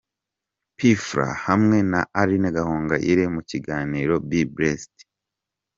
P Fla hamwe na Aline Gahongayire mu kiganiro Be Blessed.